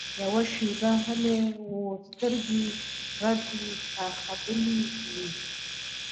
يوه شېبه غلى و سترګې يې رډې راختلې وې.